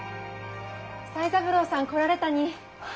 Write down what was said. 才三郎さん来られたにい。